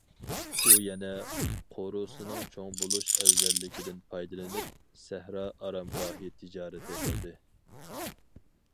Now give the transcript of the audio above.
ئۇ يەنە قورۇسىنىڭ چوڭ بولۇش ئەۋزەللىكىدىن پايدىلىنىپ، سەھرا ئارامگاھى تىجارىتى قىلدى.